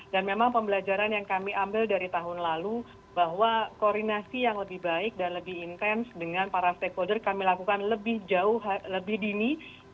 dan memang pembelajaran yang kami ambil dari tahun lalu bahwa koordinasi yang lebih baik dan lebih intens dengan para stakeholder kami lakukan lebih jauh lebih dini